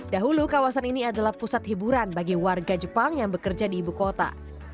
dahulu kawasan ini adalah pusat hiburan bagi warga jepang yang bekerja di ibu kota